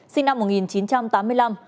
sinh năm một nghìn chín trăm tám mươi năm